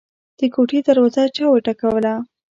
د کوټې دروازه چا وټکوله.